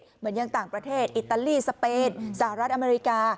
เหมือนยังต่างประเทศอิตาลีสเปนสหรัฐอเมริกา